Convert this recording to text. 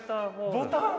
ボタン！